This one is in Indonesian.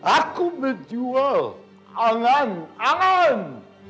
aku berjual angan angan